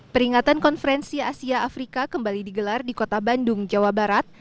peringatan konferensi asia afrika kembali digelar di kota bandung jawa barat